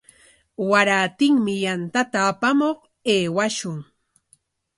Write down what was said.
Warantinmi yantata apamuq aywashun.